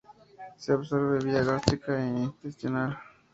Se absorbe vía gástrica e intestinal.